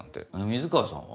水川さんは？